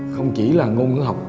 không chỉ là ngôn ngữ học